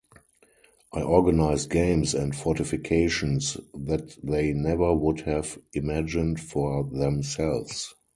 I organized games and fortifications that they never would have imagined for themselves.